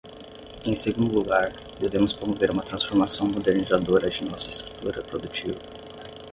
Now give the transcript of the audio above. Em segundo lugar, devemos promover uma transformação modernizadora de nossa estrutura produtiva.